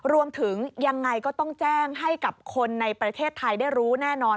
ยังไงก็ต้องแจ้งให้กับคนในประเทศไทยได้รู้แน่นอน